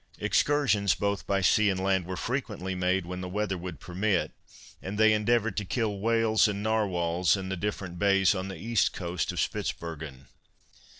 Excursions both by sea and land were frequently made when the weather would permit; and they endeavored to kill whales and narwhals in the different bays on the east coast of Spitzbergen.